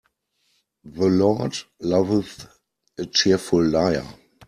The Lord loveth a cheerful liar.